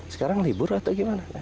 sekarang libur atau gimana